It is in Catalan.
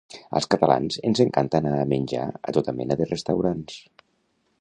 Als catalans ens encanta anar a menjar a tota mena de restaurants.